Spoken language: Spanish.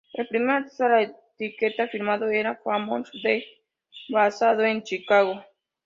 El primer artista de la etiqueta firmado era Famous Dex basado en Chicago.